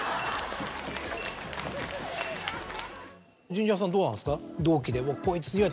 ジュニアさんどうなんですか？